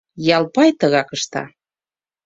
Ялпай тыгак ышта.